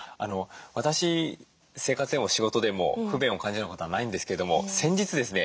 私生活でも仕事でも不便を感じることはないんですけども先日ですね